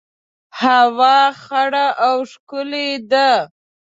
هوا خړه او ښکلي ده